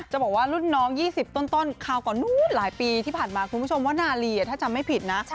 จะบอกว่ารุ่นน้อง๒๐ต้นคราวก่อนนู้นหลายปีที่ผ่านมาคุณผู้ชมว่านาลีถ้าจำไม่ผิดนะ